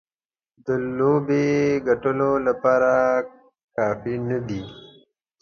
د لوبې ګټلو لپاره کافي نه دي.